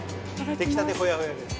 できたてほやほやです。